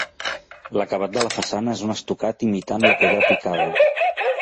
L'acabat de la façana és un estucat imitant la pedra picada.